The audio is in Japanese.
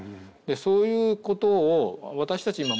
そういうことを私たち今。